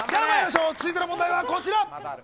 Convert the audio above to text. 続いての問題はこちら！